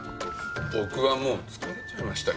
僕はもう疲れちゃいましたよ。